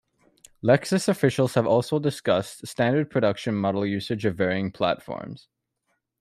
Lexus officials have also discussed standard production model usage of varying platforms.